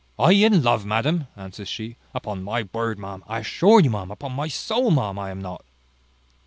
"I in love, madam!" answers she: "upon my word, ma'am, I assure you, ma'am, upon my soul, ma'am, I am not."